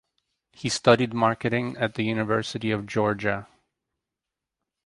He studied marketing at the University of Georgia.